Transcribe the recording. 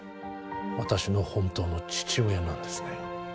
私の本当の父親なんですね